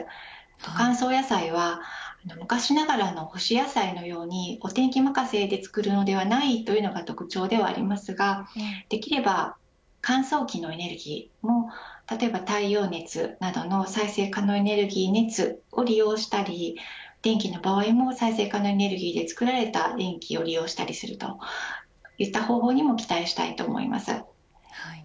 乾燥野菜は昔ながらの干し野菜のようにお天気まかせで作るのではないというのが特徴ではありますができれば乾燥機のエネルギーも例えば太陽熱などの再生可能熱を利用したり電気の場合も再生可能エネルギーで作られた電気を利用したりするといった方法にも期待したいと思います。